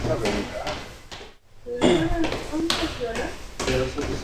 Inmediatamente se iniciaron las negociaciones de un encuentro para dirimir el disputado título.